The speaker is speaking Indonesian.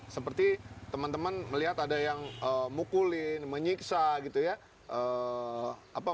seperti teman teman melihat ada yang mukulin menyiksa gitu ya